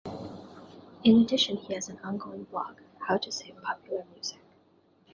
In addition, he has an ongoing blog, How To Save Popular Music.